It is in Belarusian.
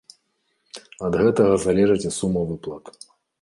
Ад гэтага залежыць і сума выплат.